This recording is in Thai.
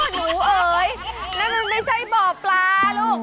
หนูเอ๋ยนั่นมันไม่ใช่บ่อปลาลูก